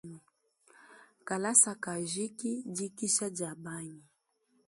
Kalasa kajiki, dikisha dia bangi.